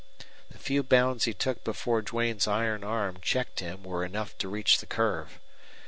The few bounds he took before Duane's iron arm checked him were enough to reach the curve.